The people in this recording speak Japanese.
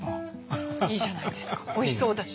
いいじゃないですかおいしそうだし。